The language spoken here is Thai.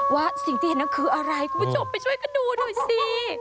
ว่าสิ่งที่เห็นนั้นคืออะไรคุณผู้ชมไปช่วยกันดูหน่อยสิ